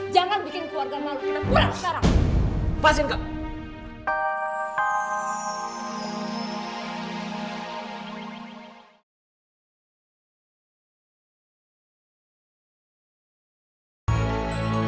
jangan bikin keluarga malu kita pulang sekarang